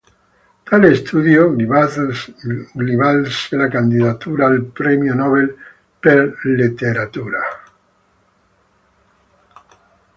Tale studio gli valse la candidatura al Premio Nobel per letteratura.